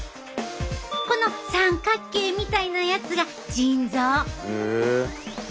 この三角形みたいなやつが腎臓。